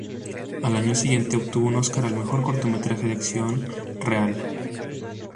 Al año siguiente obtuvo un Oscar al mejor cortometraje de acción real.